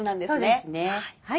そうですね。